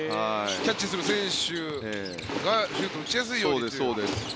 キャッチする選手がシュートを打ちやすいようにという。